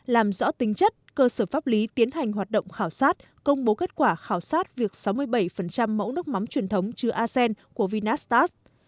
làm rõ tính chất cơ sở pháp lý tiến hành hoạt động khảo sát công bố kết quả khảo sát việc sáu mươi bảy mẫu nước mắm truyền thống chứa acen của vinastat